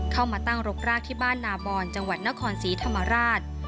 เข้ามาตั้งรกรากที่บ้านนาบอนจังหวัดนครศรีธรรมราช